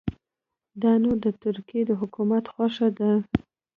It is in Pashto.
دا نو د ترکیې د حکومت خوښه ده.